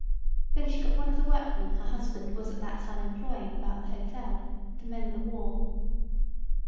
Then she got one of the workmen her husband was at that time employing about the hotel to mend the wall.